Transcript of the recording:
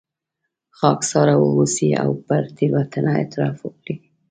خاکساره واوسئ او پر تېروتنه اعتراف وکړئ.